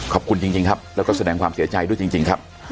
ขอบคุณจริงครับแล้วก็แสดงความเสียใจด้วยจริงครับ